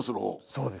そうです。